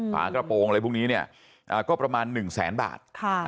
ฝากระโปรงอะไรพวกนี้เนี่ยก็ประมาณ๑แสนบาท